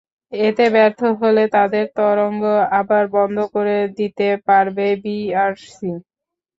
এতে ব্যর্থ হলে তাদের তরঙ্গ আবার বন্ধ করে দিতে পারবে বিটিআরসি।